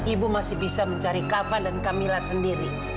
ibu masih bisa mencari kavan dan kamilah sendiri